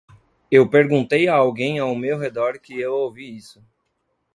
Eu perguntei a alguém ao meu redor que eu ouvi isso.